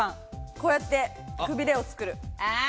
こうやってくびれを作る。